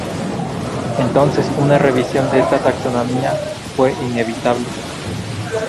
Entonces una revisión de esta taxonomía fue inevitable.